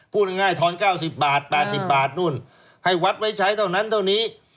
พูดง่ายทอน๙๐บาท๘๐บาทนู่นให้วัดไว้ใช้เท่านั้นเท่านี้